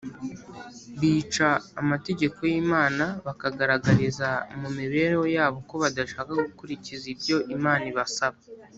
bicaga amategeko y’imana, bakagaragariza mu mibereho yabo ko badashaka gukurikiza ibyo imana ibasaba